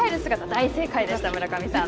大正解でした、村上さん。